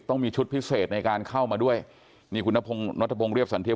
ต้องมีชุดพิเศษในการเข้ามาด้วยนี่คุณนพงนัทพงศ์เรียบสันเทียม